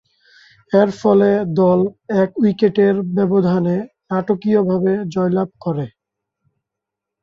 এরফলে দল এক উইকেটের ব্যবধানে নাটকীয়ভাবে জয়লাভ করে।